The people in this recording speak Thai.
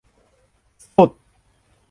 สุด